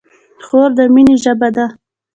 خور د مینې ژبه ده.